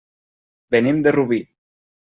Venim de Rubí.